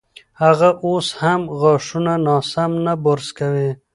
هغه اوس هم غاښونه ناسم نه برس کوي.